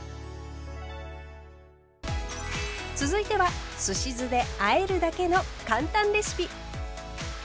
続いてはすし酢であえるだけの簡単レシピ。